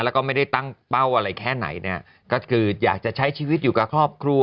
แล้วก็ไม่ได้ตั้งเป้าอะไรแค่ไหนเนี่ยก็คืออยากจะใช้ชีวิตอยู่กับครอบครัว